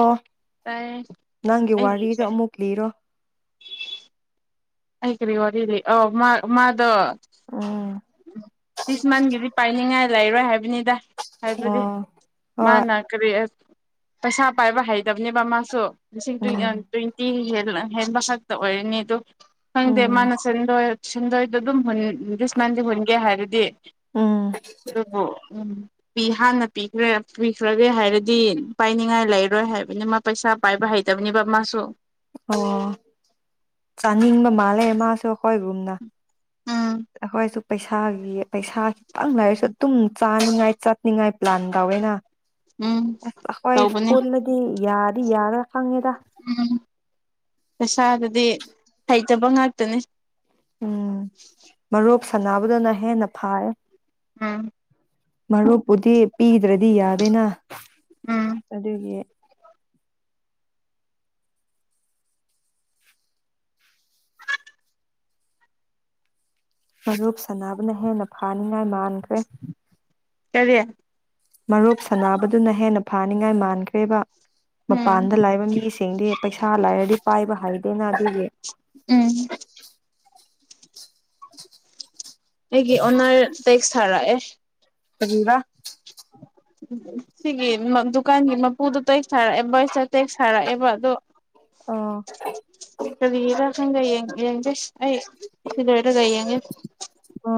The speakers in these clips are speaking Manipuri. ꯑꯣ ꯇꯥꯏꯌꯦ ꯅꯪꯒꯤ ꯋꯥꯔꯤꯗꯣ ꯑꯩꯒꯤꯁꯦ ꯑꯃꯨꯛ ꯂꯤꯔꯣ ꯑꯩ ꯀꯔꯤ ꯋꯥꯔꯤꯔꯤ ꯑ ꯃꯥ ꯃꯥꯗ ꯑꯣ ꯂꯤꯁ ꯃꯟꯒꯤꯗꯤ ꯄꯥꯏꯅꯤꯡꯉꯥꯏ ꯂꯩꯔꯣꯏ ꯍꯥꯏꯕꯅꯤꯗ ꯍꯥꯏꯕꯗꯤ ꯍꯣꯏ ꯃꯥꯅ ꯀꯔꯤ ꯄꯩꯁꯥ ꯄꯥꯏꯕ ꯍꯩꯇꯕꯅꯦꯕ ꯃꯥꯁꯨ ꯂꯤꯁꯤꯡ ꯇ꯭ꯋꯦꯟꯇꯤ ꯍꯦꯟꯕ ꯈꯛꯇ ꯑꯣꯏꯔꯅꯤ ꯑꯗꯨꯗꯣ ꯈꯪꯗꯦ ꯎꯝ ꯃꯥꯅ ꯁꯤꯟꯗꯣꯏ ꯁꯦꯟꯗꯣꯏꯗ ꯑꯗꯨꯝ ꯗꯤꯁ ꯃꯟꯗꯤꯦ ꯍꯨꯟꯒꯦ ꯍꯥꯏꯔꯗꯤ ꯎꯝ ꯑꯗꯨꯕꯨ ꯎꯝ ꯄꯤ ꯍꯥꯟꯅ ꯄꯤꯈ꯭ꯔꯦ ꯄꯤꯈ꯭ꯔꯒꯦ ꯍꯥꯏꯔꯗꯤ ꯄꯥꯏꯅꯤꯡꯉꯥꯏ ꯂꯩꯔꯣꯏ ꯍꯥꯏꯕꯅꯤ ꯃꯥ ꯄꯩꯁꯥ ꯄꯥꯏꯕ ꯍꯥꯏ ꯐ ꯇꯅꯤ ꯄꯕꯥ ꯃꯥ ꯁꯨ ꯑꯣ ꯆꯥꯅꯤꯡꯕ ꯃꯥꯜꯂꯦ ꯃꯥꯁꯨ ꯑꯩꯈꯣꯏꯒꯨꯝꯅ ꯎꯝ ꯑꯩꯈꯣꯏꯁꯨ ꯄꯩꯁꯥꯒꯤ ꯄꯩꯁꯥ ꯈꯤꯇꯪ ꯂꯩꯥꯏꯔꯁꯨ ꯑꯗꯨꯝ ꯆꯥꯅꯤꯡꯉꯥꯏ ꯆꯠꯅꯤꯡꯉꯥꯏ ꯄ꯭ꯂꯥꯟ ꯇꯧꯋꯦꯅ ꯎꯝ ꯑꯁ ꯑꯩꯈꯣꯏ ꯇꯧꯕꯅꯦ ꯄꯨꯜꯅꯗꯤ ꯌꯥꯗꯤ ꯌꯥꯔ ꯈꯪꯉꯦꯗ ꯎꯝ ꯄꯩꯁꯥꯗꯨꯗꯤ ꯍꯩꯇꯕ ꯉꯥꯛꯇꯅꯤ ꯎꯝ ꯃꯔꯣꯛ ꯁꯅꯕꯗꯅ ꯍꯦꯟꯅ ꯐꯥꯏ ꯑꯥ ꯃꯔꯨꯞꯄꯨꯗꯤ ꯄꯤꯗ꯭ꯔꯗꯤ ꯌꯥꯗꯦꯅ ꯎꯝ ꯑꯗꯨꯒꯤ ꯃꯔꯨꯞ ꯁꯥꯟꯅꯕꯅ ꯍꯦꯟꯅ ꯐꯥꯅꯤꯡꯉꯥꯏ ꯃꯥꯟꯈ꯭ꯔꯦ ꯀꯔꯤ ꯃꯔꯨꯞ ꯁꯕꯗꯨꯅ ꯍꯦꯟꯅ ꯐꯥꯅꯤꯡꯉꯥꯏ ꯃꯥꯟꯈ꯭ꯔꯦꯕ ꯎꯝ ꯃꯄꯥꯟꯗ ꯂꯥꯏꯕ ꯃꯤꯁꯤꯡꯗꯤ ꯄꯩꯁꯥ ꯂꯥꯏꯔꯗꯤ ꯄꯥꯏꯕ ꯍꯩꯗꯦꯅ ꯑꯗꯨꯒꯤ [unintelligible] ꯎꯝ ꯑꯩꯒꯤ ꯑꯣꯅꯔ ꯇꯦꯛꯁ ꯊꯥꯔꯛꯑꯦ ꯀꯔꯤꯔꯥ ꯁꯤꯒꯤ ꯗꯨꯀꯥꯟꯒꯤ ꯃꯄꯨꯗꯣ ꯇꯦꯛꯁ ꯁꯥꯔꯛꯑꯦ ꯕꯣꯏꯁꯇ ꯇꯦꯛ ꯁꯥꯔꯛꯑꯦꯕ ꯑꯗꯣ ꯑꯣ ꯀꯔꯤꯔꯥ ꯈꯪꯗ‌ꯦ ꯌꯦꯡꯗꯦ ꯑꯩ ꯀꯤꯂꯣꯔꯏꯒꯦ ꯑꯣ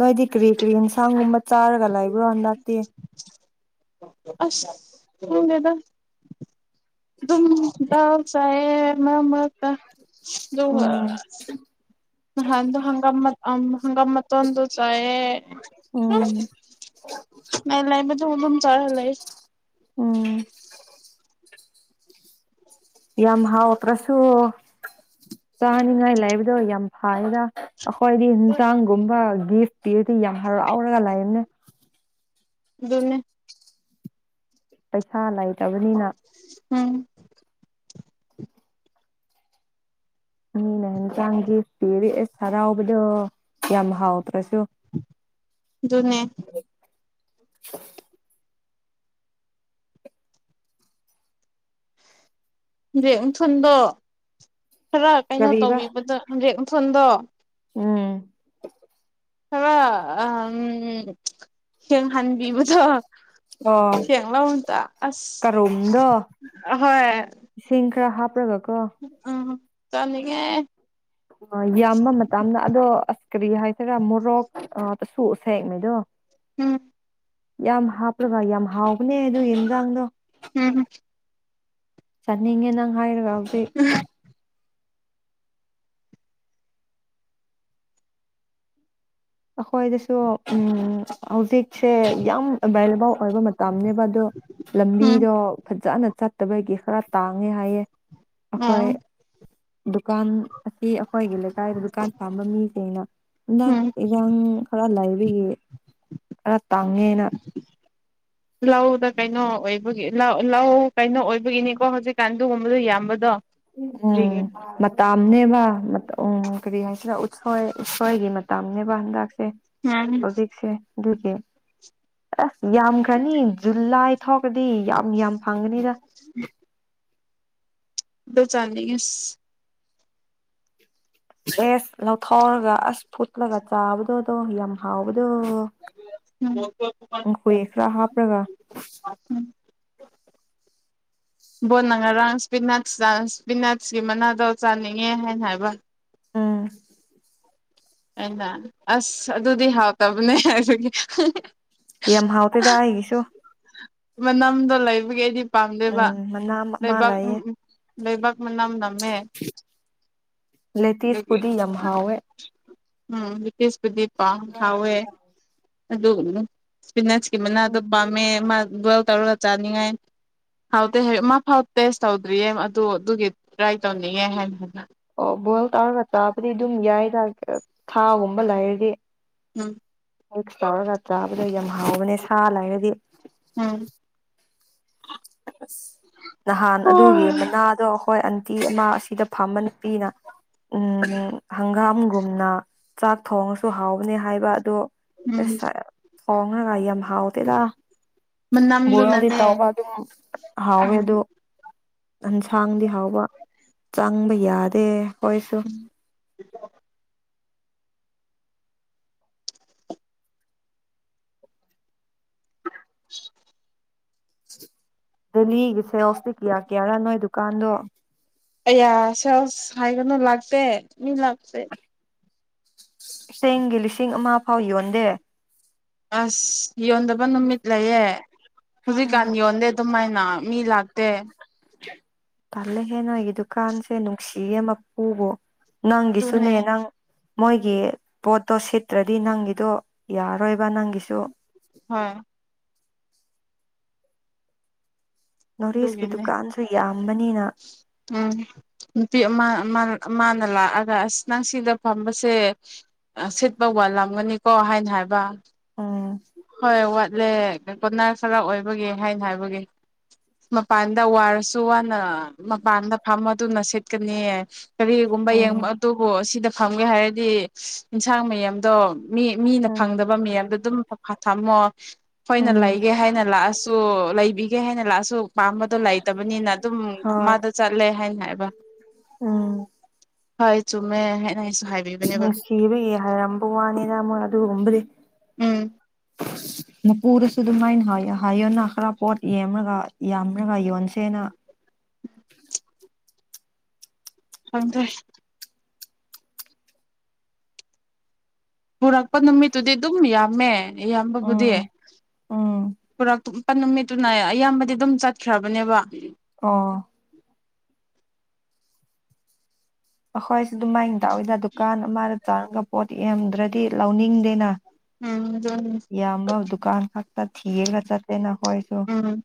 ꯅꯣꯏꯗꯤ ꯀꯔꯤ ꯀꯔꯤ ꯌꯦꯟꯁꯥꯡꯒꯨꯝꯕ ꯆꯥꯔꯒ ꯂꯩꯕ꯭ꯔꯣ ꯂꯅꯥꯇꯦ ꯑꯥꯁ ꯈꯪꯡꯦꯗꯥ ꯝꯗꯥꯝꯁꯔ ꯅꯃꯀ ꯑꯗꯨꯗ ꯎꯝ ꯍ ꯑ ꯍ ꯃꯣ ꯑꯗꯨ ꯆꯑ ꯎꯝ ꯃꯕ ꯝ ꯆꯥꯔꯂ ꯎꯝ ꯌꯥꯝ ꯍꯥꯎꯇ꯭ꯔꯁꯨ ꯆꯥꯅꯤꯡꯉꯥꯏ ꯂꯩꯥꯛꯕꯗꯣ ꯌꯥꯝ ꯐꯌꯦꯗ ꯑꯩꯈꯣꯏꯗꯤ ꯌꯦꯟꯁꯥꯡꯒꯨꯝꯕ ꯒꯤꯐꯇꯤꯔꯗꯤ ꯌꯥꯝ ꯍꯔꯥꯎꯔꯒ ꯂꯩꯥꯛꯑꯅꯦ ꯑꯗꯨꯣꯟꯅ ꯄꯩꯁꯥ ꯂꯩꯇꯕꯅꯤꯅ ꯎꯝ ꯃꯤꯅꯍꯟ ꯆꯥꯡꯗꯤ ꯄꯤꯔ ꯑꯦ ꯍꯔꯥꯎꯕꯗꯣ ꯌꯥꯝ ꯍꯥꯎꯇ꯭ꯔꯁꯨ ꯅꯦ [inaudible] ꯦꯛ ꯅꯨꯡꯊꯜꯗꯣ ꯈꯔ ꯀꯩꯅꯣ ꯀꯔꯤꯕ ꯇꯧꯕꯤꯕꯗꯗꯦꯛ ꯁꯗ ꯎꯝ ꯈꯔ ꯌꯦꯡ ꯍꯟꯕꯤꯕꯗꯣ ꯑꯣ ꯁꯦꯡꯉꯂ ꯍꯇ ꯀꯔꯨꯝꯗꯣ ꯑꯁ ꯍꯣꯏ ꯏꯁꯤꯡ ꯈꯔ ꯍꯥꯞꯄ꯭ꯔꯒꯀꯣ ꯎꯝ ꯆꯅꯤꯡꯉꯦ ꯑꯣ ꯌꯥꯝꯕ ꯃꯇꯝꯗ ꯑꯗꯣ ꯑꯁ ꯀꯔꯤ ꯍꯥꯏꯗꯣꯏꯔꯥ ꯃꯣꯔꯣꯛ ꯁꯣꯛꯁꯦꯡꯃꯦꯩꯗꯣ ꯎꯝ ꯌꯥꯝ ꯍꯥꯞꯄ꯭ꯔꯒ ꯌꯥꯝ ꯍꯥꯎꯕꯅꯦ ꯑꯗꯨ ꯌꯦꯟꯖꯥꯡꯗꯣ ꯎꯝ ꯆꯅꯤꯡꯉꯦ ꯅꯪ ꯍꯥꯏꯔ ꯍꯧꯗꯤ ꯈꯣꯏꯗꯁꯨꯣ ꯎꯝ ꯍꯧꯖꯤꯛ ꯁꯦ ꯌꯥꯝ ꯑꯦꯕꯥꯏꯂꯦꯕꯜ ꯑꯣꯏꯕ ꯃꯇꯝꯅꯦꯕ ꯑꯗꯣ ꯎꯝ ꯂꯝꯕꯤꯗꯣ ꯐꯖꯅ ꯆ ꯇꯕꯒꯤ ꯈꯔ ꯇꯥꯡꯉꯦ ꯍꯥꯏꯌꯦ ꯑꯩꯈꯣꯏ ꯎꯝ ꯗꯨꯀꯥꯟ ꯑꯁꯤ ꯑꯩꯈꯣꯏꯒꯤ ꯂꯩꯀꯥꯏꯗ ꯗꯨꯀꯥꯟ ꯐꯥꯝꯕ ꯃꯤꯁꯤꯡꯅ ꯎꯝ ꯎ ꯈꯔ ꯂꯥꯏꯕꯤꯌꯦ ꯈꯔ ꯇꯥꯡꯉꯦꯅ ꯂꯧꯗ ꯀꯩꯅꯣ ꯑꯣꯏꯕꯒꯤ ꯂꯧ ꯂꯧ ꯀꯩꯅꯣ ꯑꯣꯏꯕꯒꯤꯅꯤꯀꯣ ꯍꯧꯖꯤꯛꯀꯥꯟ ꯑꯗꯨꯒꯨꯝꯕꯗꯣ ꯌꯥꯝꯕꯗꯣ ꯎꯝ ꯀꯔꯤꯒꯤ ꯃꯇꯥꯝꯅꯦꯕ ꯎꯝ ꯀꯔꯤ ꯍꯥꯏꯁꯤꯔꯥ ꯣꯏ ꯏꯁꯣꯏꯒꯤ ꯃꯇꯝꯅꯦꯕ ꯍꯟꯗꯛꯁꯦ ꯎꯝ ꯍꯧꯖꯤꯛꯁꯦ ꯑꯗꯨꯒꯤ ꯑꯁ ꯌꯥꯝꯌꯥꯝ ꯀ꯭ꯔꯥꯅꯤ ꯖꯨꯜꯂꯥꯏ ꯊꯛ ꯗꯤ ꯌꯥꯝ ꯌꯥꯝ ꯐꯪꯒꯅꯤꯔ ꯆꯥꯟꯁ ꯑꯦꯁ ꯂꯧꯊꯥꯎꯔꯒ ꯑꯁ ꯐꯨꯠꯂꯒ ꯆꯥꯕꯗꯣꯗꯣ ꯌꯥꯝ ꯍꯥꯎꯕꯗꯣ ꯎꯝ ꯀꯦꯈꯔ ꯍꯥꯥ ꯄ꯭ꯔꯒꯥ [inaudible] ꯕꯣꯣꯟꯅ ꯉꯔꯥꯡ ꯏꯁꯄꯤꯅꯠꯁ ꯏꯁꯄꯤꯅꯠꯁꯀꯤ ꯃꯅꯥꯗꯣ ꯆꯥꯅꯤꯡꯉꯦ ꯍꯥꯏꯅ ꯍꯥꯏꯕ ꯎꯝ ꯑꯩꯅ ꯑꯁ ꯑꯗꯨꯗꯤ ꯍꯥꯎꯇꯕꯅꯦ ꯑꯗꯨꯒꯤ ꯌꯥꯝꯦꯝ ꯍꯥꯎꯇꯗ ꯍꯥꯏ ꯀ ꯁꯣ ꯃ ꯅꯝꯗꯣ ꯂꯩꯕꯒꯦꯗꯤ ꯄꯥꯝꯗꯦꯕ ꯎꯝ ꯃꯅꯥ ꯑꯃ ꯂꯩꯕꯥꯛ ꯂꯩꯌꯦ ꯂꯩꯕꯥꯛ ꯃꯅꯝ ꯅꯝꯃꯦ ꯂꯇꯤꯁ ꯑꯗꯨꯒꯤ ꯄꯨꯗꯤ ꯌꯥꯝ ꯍꯋꯦ ꯎꯝ ꯕ꯭ꯔꯤꯇꯤꯁꯄꯨꯗꯤ ꯄꯥ ꯍꯥꯎꯋꯦ ꯑꯗꯨ ꯄꯤꯅꯁꯀꯤ ꯃꯅꯥꯗꯣ ꯎꯝ ꯄꯥꯝꯃꯦ ꯃꯥ ꯣꯏꯜ ꯇꯧꯔꯒ ꯆꯥꯅꯤꯡꯉꯥꯏ ꯍꯥꯎꯗꯤꯦ ꯃꯥꯐꯥꯎ ꯇꯦꯁ ꯇꯧꯗ꯭ꯔꯤꯌꯦ ꯑꯗꯨ ꯑꯗꯨꯒꯤ ꯇ꯭ꯔꯥꯏ ꯇꯧꯅꯤꯡꯉꯦ ꯍꯥꯏꯅꯅ ꯑꯣ ꯕꯣꯏꯜ ꯇꯧꯔꯒ ꯆꯥꯕꯗꯤ ꯑꯗꯨꯝ ꯌꯥꯏ ꯊꯥꯒꯨꯝꯕ ꯂꯩꯔꯗꯤ ꯎꯝ ꯃꯤꯛꯁ ꯇꯧꯔꯒ ꯆꯥꯕꯗꯣ ꯌꯥꯝ ꯍꯥꯎꯕꯅꯦ ꯁꯥ ꯂꯩꯒꯗꯤ ꯎꯝ ꯅꯍꯥꯟ ꯑꯗꯨꯒꯤ ꯃꯅꯥꯗꯣ ꯑꯩꯈꯣꯏ ꯅꯨꯇꯤ ꯑꯃ ꯑꯁꯤꯗ ꯐꯝꯕ ꯅꯨꯄꯤꯅ ꯎꯝ ꯍꯪꯒꯥꯝꯒꯨꯝꯅ ꯆꯥꯛ ꯊꯣꯡꯉꯁꯨ ꯍꯥꯎꯕꯅꯤ ꯍꯥꯏꯕ ꯑꯗꯣ ꯎꯝ ꯐꯣꯡꯉ ꯉꯏ ꯌꯥꯝꯝ ꯍꯥꯎ ꯇꯦꯗ ꯕꯣꯏꯜꯗꯤ ꯃꯅꯝꯗꯨꯅꯅꯦ ꯇꯧꯔ ꯑꯗꯨꯝ ꯍꯥꯎꯋꯦ ꯎꯝ ꯑꯗꯨ ꯑꯦꯟꯁꯥꯡꯗꯤ ꯍꯥꯎꯕ ꯆꯪꯕ ꯌꯥꯗꯦ ꯍꯣꯏꯁꯨ ꯏ [unintelligible] ꯗꯦꯜꯂꯤꯒꯤ ꯁꯦꯜꯐꯇꯤ ꯀꯌꯥ ꯀꯌꯥꯔꯥ ꯅꯣꯏ ꯗꯨꯀꯥꯟꯗꯣ ꯑꯩꯌꯥ ꯁꯦꯜꯁ ꯍꯥꯏꯒꯅꯨ ꯂꯥꯛꯇꯦ ꯃꯤ ꯂꯥꯛꯁꯦ ꯁꯦꯡꯒꯤ ꯂꯤꯁꯤꯡ ꯑꯃ ꯐꯥꯎ ꯌꯣꯟꯗꯦ ꯑꯁ ꯌꯣꯟꯗꯕ ꯅꯨꯃꯤꯠ ꯂꯩꯌꯦ ꯍꯧꯖꯤꯛꯀꯥꯟ ꯎꯝ ꯌꯣꯟꯗꯦ ꯑꯗꯨꯝꯥꯏꯅ ꯃꯤ ꯂꯥꯛꯇ ꯄꯜꯂꯦꯍꯦ ꯅꯣꯏꯒꯤ ꯗꯨꯀꯥꯟꯁꯦ ꯅꯨꯡꯁꯤ ꯑꯃ ꯄꯨꯨꯕꯣ ꯑꯗꯨꯅꯦ ꯅꯪꯒꯤꯁꯨꯅꯦ ꯅꯪ ꯃꯣꯏꯒꯤ ꯄꯣꯠꯇꯣ ꯁꯤꯠꯇ꯭ꯔꯗꯤ ꯅꯪꯒꯤꯗꯣ ꯌꯥꯔꯔꯣꯏꯕ ꯅꯪꯒꯤꯁꯨ ꯍ ꯅꯣꯔꯤꯁꯀꯤ ꯑꯗꯨꯒꯤꯅꯦ ꯗꯨꯀꯥꯟꯁꯨ ꯌꯥꯝꯕꯅꯤꯅ ꯎꯝ ꯑꯃ ꯃꯥ ꯃꯥꯅ ꯂꯥꯛꯑꯒ ꯑꯁ ꯅꯪ ꯁꯤꯗ ꯐꯝꯕꯁꯦ ꯁꯤꯠꯄ ꯋꯥꯠꯂꯝꯒꯅꯤꯀꯣ ꯍꯥꯏꯅ ꯍꯥꯏ ꯋꯥꯕꯥ ꯎꯝ ꯍꯣꯏ ꯋꯥꯠꯂꯦ ꯀꯣꯅ ꯈꯔ ꯑꯣꯏꯕꯒꯤꯦ ꯍꯥꯏꯅ ꯍꯥꯏꯕꯒꯤ ꯃ ꯄꯥꯟꯗ ꯋꯥꯔꯁꯅ ꯃꯄꯥꯟꯗ ꯐꯝꯃ ꯑꯗꯨꯅ ꯁꯦꯠꯀꯅꯤ ꯀꯔꯤꯒꯨꯝꯕ ꯌꯦꯡꯕ ꯎꯝ ꯑꯗꯨꯕꯨ ꯁꯤꯗ ꯐꯪꯒꯦ ꯍꯥꯏꯔꯗꯤ ꯌꯦꯟꯁꯥꯡ ꯃꯌꯥꯝꯗꯣ ꯃꯤ ꯃꯤꯅ ꯎꯝ ꯐꯪꯗꯕ ꯃꯌꯥꯝꯗꯣ ꯑꯗꯨꯝ ꯊꯃ [unintelligible] ꯑꯩꯈꯣꯏꯅ ꯂꯩꯒꯦ ꯍꯥꯏꯅ ꯂꯥꯛꯑꯁꯨ ꯂꯩꯕꯤꯒꯦ ꯍꯥꯏꯅ ꯂꯥꯛꯑꯁꯨ ꯄꯥꯝꯕꯗꯣ ꯂꯩꯇꯕꯅꯤꯅ ꯑꯗꯨꯝ ꯍꯣꯏ ꯃꯥꯗ ꯆꯠꯂꯦ ꯍꯥꯏꯅ ꯍꯥꯏꯕ ꯎꯝ ꯍꯣꯏ ꯆꯨꯃꯦ ꯎꯪ ꯁꯤꯕꯌꯦ ꯍꯥꯏꯔꯝꯕ ꯋꯥꯅꯤꯅ ꯑꯃꯛ ꯑꯗꯨ ꯉꯨꯝꯕ꯭ꯔꯦ ꯎꯝ ꯑ ꯃꯄꯨꯗꯁꯨ ꯑꯗꯨꯃꯥꯏꯅ ꯍꯋ ꯍꯥꯏꯌꯣꯟꯅ ꯈꯔ ꯄꯣꯠ ꯌꯦꯔꯒ ꯌꯥꯝ꯭ꯔꯒ ꯌꯣꯟꯁꯦꯅ [unintelligible] ꯍꯪꯗ ꯄꯨꯔꯛꯄ ꯅꯨꯃꯤꯠꯇꯨꯗꯤ ꯑꯗꯨꯝ ꯌꯥꯝꯃꯦ ꯏꯌꯥꯝꯕꯕꯨꯗꯤ ꯎꯝ ꯎꯝ ꯂꯄ ꯅꯨꯃꯤꯠꯇꯨꯅ ꯑꯌꯥꯝꯕꯗꯤ ꯑꯗꯨꯝ ꯆꯠꯈ꯭ꯔꯕꯅꯦꯕ ꯑꯥ ꯑꯩꯈꯣꯏꯁꯨ ꯑꯗꯨꯃꯥꯏꯅ ꯇꯥꯛꯏꯗ ꯗꯨꯀꯥꯟ ꯑꯃꯗ ꯆꯪꯉꯒ ꯄꯣꯠ ꯌꯥꯝꯗ꯭ꯔꯗꯤ ꯂꯧꯅꯤꯡꯗꯦꯅ ꯎꯝ ꯑꯗꯨ ꯌꯥ ꯑꯝꯕ ꯗꯨꯀꯥꯟ ꯈ ꯊꯙꯔ ꯉꯆꯥꯦ ꯅꯈꯣꯏꯁꯨꯣ ꯎꯝ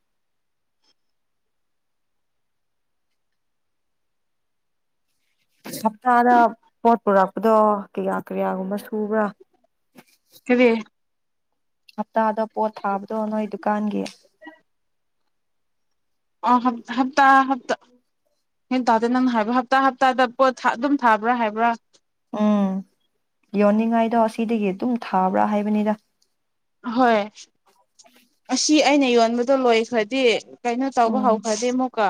ꯍꯞꯇꯥꯗ ꯄꯣꯠ ꯄꯨꯔꯛꯄꯗꯣ ꯀꯌꯥ ꯀꯌꯥꯒꯨꯝꯕ ꯁꯨꯕ꯭ꯔꯥ ꯀꯔꯤ ꯍꯞꯇꯥꯗ ꯄꯣꯠ ꯊꯥꯕꯗꯣ ꯅꯣꯏ ꯗꯨꯀꯥꯟꯒꯤ ꯑꯣ ꯍꯞꯇꯥꯞꯇꯥ ꯇꯗꯅꯅ ꯍꯥꯏꯕ ꯍꯞꯇꯥ ꯍꯞꯇꯥꯗ ꯄꯣꯠ ꯑꯗꯨꯝ ꯊꯥꯕ꯭ꯔꯥ ꯍꯥꯏꯕ꯭ꯔꯥ ꯎꯝ ꯌꯣꯟꯅꯤꯡꯉꯥꯏꯗꯣ ꯑꯁꯤꯗꯒꯤ ꯑꯗꯨꯝ ꯊꯥꯕ꯭ꯔꯥ ꯍꯥꯏꯕꯅꯤꯗ ꯑꯍꯣꯏ ꯑꯁꯤ ꯑꯩꯅ ꯌꯣꯟꯕꯗꯣ ꯂꯣꯏꯈ꯭ꯔꯗꯤ ꯀꯩꯅꯣ ꯇꯧꯕ ꯎꯝ ꯍꯧꯈ꯭ꯔꯗꯦ ꯑꯃꯨꯛꯀ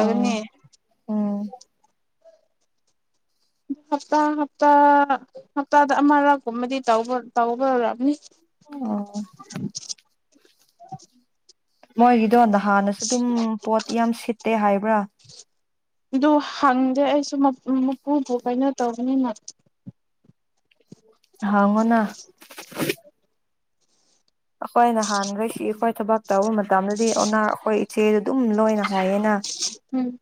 ꯑꯣ ꯎꯝ ꯍꯞꯇꯥ ꯍꯞꯇꯥ ꯍꯞꯇꯥꯗ ꯑꯃꯔꯛꯒꯨꯝꯕꯗꯤ ꯇ ꯇꯧꯕꯅꯤ ꯑꯣ [unintelligible] ꯃꯣꯏꯒꯤꯗꯣꯗ ꯍꯥꯟꯅꯁꯨ ꯑꯗꯨꯝ ꯄꯣꯠ ꯌꯥꯝ ꯁꯤꯠꯇꯦ ꯍꯥꯏꯕ꯭ꯔꯥ ꯑꯗꯨ ꯍꯪꯗꯦ ꯑꯩꯁꯨ ꯃꯄꯨꯗꯨꯣ ꯀꯩꯅꯣ ꯇꯧꯧꯕꯅꯤꯅ ꯍꯉꯅꯥ ꯑꯩꯈꯣꯏ ꯅꯍꯥꯟꯈꯩꯁꯤ ꯑꯩꯈꯣꯏ ꯊꯕꯛ ꯇꯧꯕ ꯃꯇꯝꯗꯗꯤ ꯑꯣꯅꯥ ꯑꯩꯈꯣꯏ ꯏꯆꯦꯗꯨ ꯑꯗꯨꯝ ꯂꯣꯏꯅ ꯍꯥꯏꯌꯦꯅ ꯎꯝ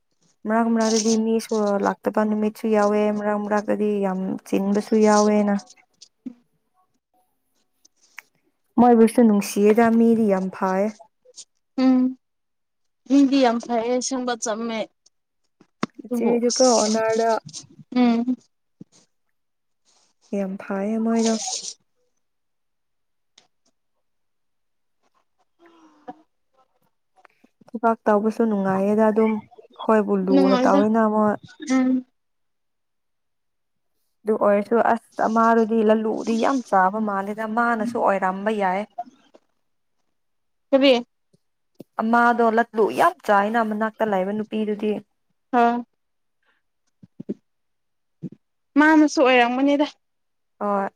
ꯃꯔꯥꯡ ꯑꯃꯔꯒꯗꯤ ꯃꯤꯁꯨ ꯂꯥꯛꯇꯕ ꯅꯨꯃꯤꯠꯁꯨ ꯌꯥꯎꯋꯦ ꯃꯔꯛ ꯑꯃꯛꯒꯗꯤ ꯌꯥꯝ ꯆꯤꯟꯕꯁꯨ ꯌꯥꯎꯋꯦ ꯇꯋꯦꯅ ꯃꯣꯏꯕꯨꯁꯁꯨꯨ ꯅꯨꯡꯁꯤꯑ ꯇꯝꯔꯤ ꯌꯥꯝ ꯐꯥꯏ ꯎꯝ ꯃꯤꯗꯤ ꯌꯥꯝ ꯐꯩꯌꯦ ꯁꯪꯕ ꯆꯝꯃꯦ ꯑꯣ ꯏꯆꯦꯗꯨꯀꯣ ꯑꯣꯅꯔꯗ ꯎꯝ ꯌꯥꯝ ꯐꯩꯌꯦ ꯃꯣꯏꯗꯣ ꯊꯕꯥꯛ ꯇꯧꯕꯁꯨ ꯅꯨꯡꯉꯥꯏꯌꯦꯗ ꯑꯗꯨꯝ ꯑꯩꯈꯣꯏꯕꯨ ꯂꯨꯅ ꯅꯨꯡꯉꯥꯏꯗ ꯇꯧꯋꯅ ꯑꯃꯨꯛ ꯎꯝ ꯑꯗꯨ ꯑꯣꯏꯔꯁꯨ ꯑꯁ ꯃꯥꯗꯨꯗꯤ ꯂꯜꯂꯨꯗꯤ ꯌꯥꯝ ꯆꯥꯕ ꯃꯥꯜꯂꯦꯗ ꯃꯥꯅꯁꯨ ꯑꯣꯏꯔꯝꯕ ꯌꯥꯏ [unintelligible] ꯍꯦꯕꯤ ꯑꯃꯥꯗꯣ ꯂꯠꯂꯨ ꯌꯥꯝ ꯆꯥꯏꯅ ꯃꯅꯥꯛꯇ ꯂꯩꯥꯛꯏꯕ ꯅꯨꯄꯤꯗꯨꯗꯤ ꯑꯥ ꯃꯥ ꯑꯃꯁꯨ ꯑꯣꯏꯔꯝꯃꯅꯤꯗ ꯑꯣ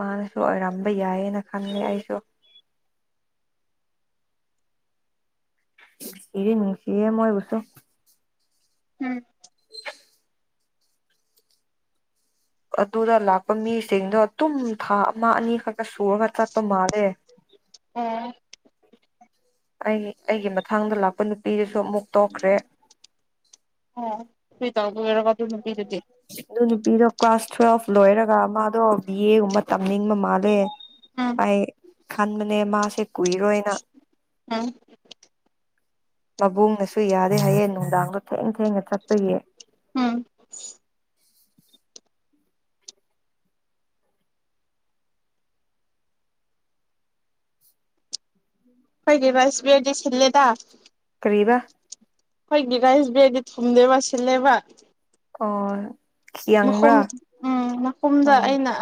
ꯃꯥꯅꯁꯨ ꯑꯣꯏꯔꯝꯕ ꯌꯥꯏꯌꯦꯅ ꯈꯜꯂꯦ ꯑꯩꯁꯨ ꯁꯤ ꯍ ꯃ ꯑꯣꯏꯕꯨꯠꯇꯣ ꯎꯝ ꯎ ꯑꯗꯨꯗ ꯂꯥꯛꯄ ꯃꯤꯁꯤꯡꯗꯣ ꯑꯗꯨꯝ ꯊꯥ ꯑꯃ ꯑꯅꯤꯈꯛꯛꯇ ꯁꯨꯔꯒ ꯆꯠꯄ ꯃꯥꯜꯂꯦ [unintelligible] ꯑꯣ ꯑꯩ ꯑꯩꯒꯤ ꯃꯊꯥꯡꯗ ꯂꯥꯛꯄ ꯅꯨꯄꯤꯗꯨꯁꯨ ꯑꯃꯨꯛ ꯇꯣꯛꯈ꯭ꯔꯦ ꯁ ꯇꯔ ꯀ ꯑꯗꯨ ꯅꯨꯄꯤꯗꯣ ꯀ꯭ꯂꯥꯁ ꯇꯨꯋꯦꯜꯕ ꯂꯣꯏꯔꯒ ꯃꯥꯗꯣ ꯕꯤ ꯑꯦꯒꯨꯝꯕ ꯇꯝꯅꯤꯡꯕ ꯃꯥꯜꯂꯦ ꯎꯝ ꯑꯩꯥꯏ ꯈꯟꯕꯅꯦ ꯃꯥꯁꯦ ꯀꯨꯏꯔꯣꯏꯅ ꯎꯝ ꯃꯕꯨꯡꯅꯁꯨ ꯌꯥꯔꯦ ꯍꯌꯦꯡ ꯅꯨꯡꯗꯥꯡꯗꯣ ꯊꯦꯡ ꯊꯦꯡꯅ ꯆꯠꯄꯒꯤ [unintelligible] ꯑꯩꯣꯏꯒꯤꯕꯁꯕꯤꯔꯗꯤꯁꯤꯜꯂꯦꯗ ꯀꯕ ꯑꯩꯈꯣꯏꯒꯤ ꯔꯥꯏꯁ ꯕꯦꯒꯗꯤ ꯊꯨꯝꯅꯦꯦꯕ ꯁꯤꯜꯂꯦꯕ ꯑꯣ ꯃꯈꯨꯝ ꯌꯥꯡꯕ꯭ꯔꯥ ꯎꯝ ꯃꯈꯨꯝꯗ ꯎꯝ ꯑꯩꯅ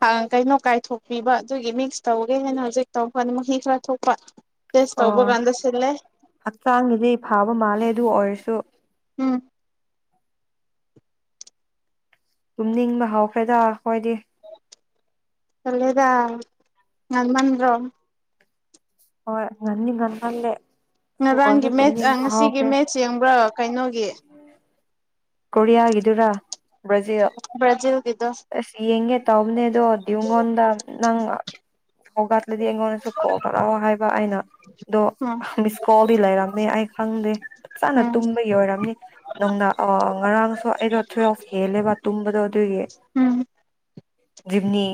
ꯍꯥꯡ ꯀꯩꯅꯣ ꯀꯥꯏ ꯊꯣꯛꯣꯛꯄꯤꯕ ꯑꯗꯨꯒꯤ ꯃꯤꯛꯁ ꯇꯧꯒꯦ ꯍꯦꯅ ꯍꯧꯖꯤꯛ ꯇꯧꯛ ꯐꯅ ꯃꯍꯤ ꯈꯔ ꯊꯣꯛꯄ ꯇꯦꯁ ꯑꯣ ꯇꯧꯕ ꯀꯥꯟꯗ ꯁꯤꯜꯂꯦ ꯍꯛꯆꯥꯡꯒꯤꯗꯤ ꯐꯥꯕ ꯃꯥꯜꯂꯦ ꯑꯗꯨ ꯑꯣꯏꯔꯁꯨ ꯎꯝ ꯀꯨꯝꯅꯤꯡ ꯃꯍ ꯍꯥꯎꯈ꯭ꯔꯦꯗ ꯍꯣꯏꯗꯤ ꯆꯂꯦꯗ ꯉꯟꯃꯟ꯭ꯔꯣ ꯍꯣꯏ ꯉꯅꯤ ꯉꯟ ꯐꯜꯂꯦ ꯉꯔꯥꯡꯒꯤ ꯃꯦꯠꯆ ꯉꯁꯤꯒꯤ ꯃꯦꯠꯆ ꯌꯦꯡꯕ꯭ꯔꯣ ꯀꯩꯅꯣꯒꯤ ꯀꯣꯔꯤꯌꯥꯒꯗꯨꯔꯥ ꯭ꯔꯖꯤꯜ ꯕ꯭ꯔꯥꯖꯤꯜꯒꯤꯗꯣ ꯑꯁ ꯌꯦꯒꯦ ꯇꯥꯎꯅꯦ ꯑꯗꯨꯣ ꯗꯗꯤꯒꯣꯟꯟ ꯅꯪ ꯍꯧꯒꯠꯂꯗꯤ ꯑꯩꯉꯣꯟꯗꯁꯨ ꯀꯧ ꯇꯔꯛꯑꯣ ꯍꯥꯏꯕ ꯑꯩꯅ ꯑꯗꯣ ꯎꯝ ꯃꯤꯁ ꯀꯣꯜꯗꯤ ꯂꯩꯔꯝꯃꯦ ꯑꯩ ꯈꯪꯗꯦ ꯐ ꯆꯥꯅ ꯎꯝ ꯇꯨꯝꯕꯒꯤ ꯑꯣꯏꯔꯝꯅꯤ ꯅꯅꯨꯡꯗ ꯉꯔꯥꯡꯁꯨ ꯑꯩꯗꯣ ꯊꯊꯣꯏꯎ ꯍꯦꯜꯂꯦꯕ ꯇꯨꯝꯕꯗꯣ ꯑꯗꯨꯏꯒꯤ ꯎꯝ ꯖꯤꯞꯅꯤ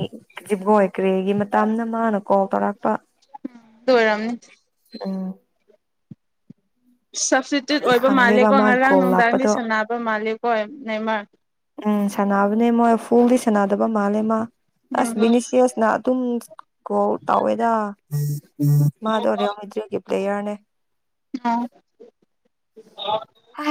ꯖꯤꯞꯒꯣꯏ ꯀ꯭ꯔꯦꯒꯤ ꯃꯇꯝꯅ ꯃꯥꯅ ꯀꯣꯜ ꯇꯧꯔꯛꯄ ꯇꯔꯝꯅꯤ ꯑꯝ ꯁꯞꯁꯇꯤꯇ꯭ꯌꯨꯠ ꯑꯗꯨꯒꯤ ꯑꯣꯏꯕ ꯈꯪꯗꯦꯕ ꯃꯥꯜꯂꯦꯀꯣ ꯃꯥꯒꯤ ꯉꯔꯥꯡ ꯀꯣꯜ ꯅꯨꯡꯗꯥꯡꯗꯤ ꯂꯥꯛꯄꯗꯣ ꯁꯥꯟꯅꯕ ꯃꯥꯜꯂꯦꯀꯣ ꯅꯃꯔ ꯎꯝ ꯁꯥꯟꯅꯕꯅꯦ ꯃꯣꯏ ꯐꯨꯗꯤ ꯁꯥꯟꯅꯗꯕ ꯃꯥꯜꯂꯦ ꯃꯥ ꯑꯁ ꯎꯝ ꯕꯤꯅꯤꯁꯤꯌꯁꯅ ꯑꯗꯨꯝ ꯀꯣ ꯇꯧꯋꯦꯗ ꯃꯥꯗꯣ ꯔꯦꯣꯃꯤꯗ꯭ꯔꯤꯒꯤ ꯄ꯭ꯂꯦꯌꯔꯅꯦ ꯑ ꯍ